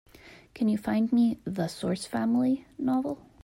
Can you find me The Source Family novel?